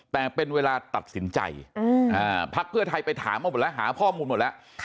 แต่เป็นเวลาตัดสินใจพักเพื่อไทยไปถามเอาหมดแล้วหาข้อมูลหมดแล้ว